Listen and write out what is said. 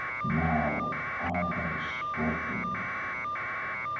Now I have spoken."